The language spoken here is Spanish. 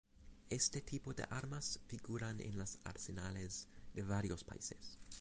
Este tipo de armas figuran en los arsenales de varios países.